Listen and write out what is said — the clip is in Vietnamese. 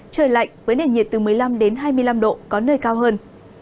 trời lạnh với nền nhiệt từ một mươi năm đến hai mươi năm độ có nơi cao hơn